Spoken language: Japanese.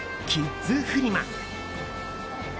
キッズフリマ。